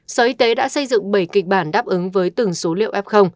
sở y tế đã xây dựng bảy kịch bản đáp ứng với từng số liệu f